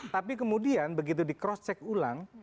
tapi kemudian begitu di cross check ulang